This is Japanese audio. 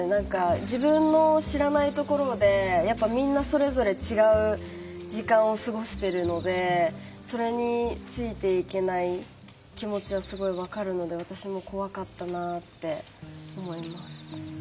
自分の知らないところでみんな、それぞれ違う時間を過ごしているのでそれに、ついていけない気持ちはすごい分かるので私も怖かったなって思います。